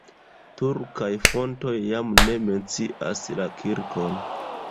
Turkaj fontoj jam ne mencias la kirkon.